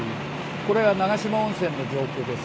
これは長島温泉の上空です。